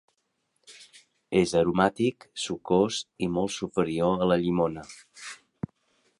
És aromàtic, sucós i molt superior a la llimona.